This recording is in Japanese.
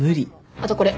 あとこれ。